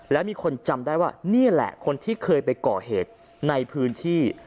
แล้วมีคนจำได้ว่านี่แหละคนที่เคยไปก่อเหตุในพื้นที่